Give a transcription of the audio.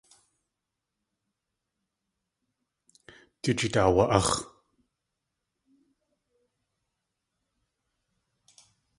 Du jeet aawa.áx̲.